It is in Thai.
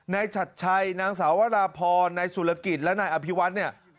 ฉัดชัยนางสาววราพรนายสุรกิจและนายอภิวัฒน์เนี่ย